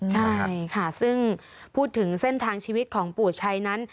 ใช่ค่ะซึ่งพูดถึงเส้นทางชีวิตของปู่ชัยนั้น